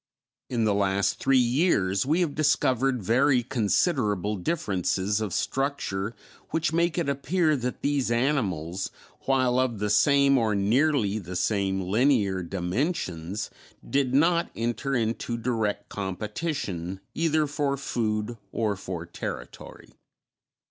In the last three years we have discovered very considerable differences of structure which make it appear that these animals, while of the same or nearly the same linear dimensions, did not enter into direct competition either for food or for territory.